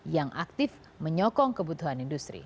yang aktif menyokong kebutuhan industri